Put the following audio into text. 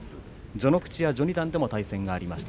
序ノ口や序二段でも対戦がありました。